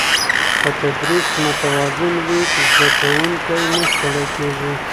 که تدریس متوازن وي، زده کوونکی نه ستړی کېږي.